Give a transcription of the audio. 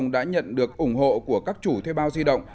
đã nhận được ủng hộ của các chủ thuê bao di động